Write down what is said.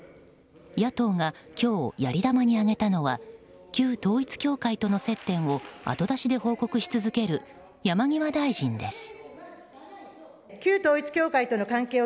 野党が今日やり玉に挙げたのは旧統一教会との接点を後出しで報告し続ける山際大臣です。